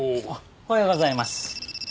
おはようございます。